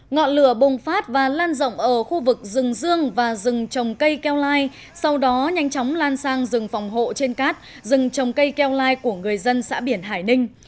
ngọn lửa bùng phát và lan rộng ở khu vực rừng dương và rừng trồng cây keo lai sau đó nhanh chóng lan sang rừng phòng hộ trên cát rừng trồng cây keo lai của người dân xã biển hải ninh